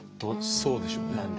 そうでしょうね。